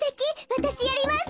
わたしやります。